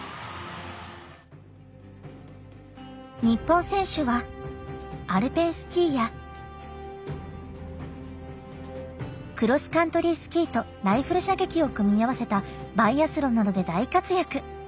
日本選手はアルペンスキーやクロスカントリースキーとライフル射撃を組み合わせたバイアスロンなどで大活躍。